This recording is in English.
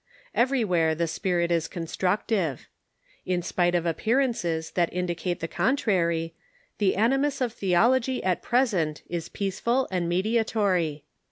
Everywhere the spirit is constructive. In spite of appearances that indicate the contrary, the ani mus of theology at present is peaceful and mediatory.